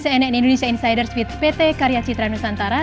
cnn indonesia insiders feed pt karya citra nusantara